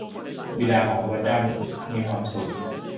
บิดาของข้าพเจ้ามีความสุข